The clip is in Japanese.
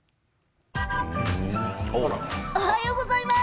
おはようございます。